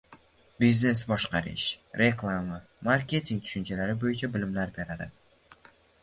Biznesni boshqarish, reklama, marketing tushunchalari bo'yicha bilim beradi.